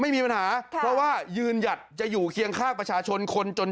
ไม่มีปัญหาเพราะว่ายืนหยัดจะอยู่เคียงข้างประชาชนคนจน